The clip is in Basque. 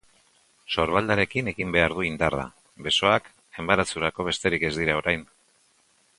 Sorbaldarekin egin behar du indarra, besoak enbarazurako besterik ez dira orain.